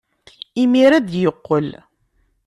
Imir-a ad d-yeqqel.